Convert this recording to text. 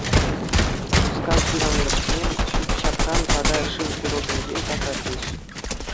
Мускав ҫыранлӑхне ҫӳп-ҫапран тата шыв курӑкӗнчен тасатӗҫ.